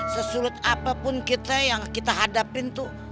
sesulit apapun kita yang kita hadapin tuh